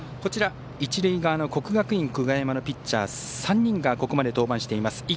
一塁側の国学院久我山のピッチャー、３人がここまで登板しています。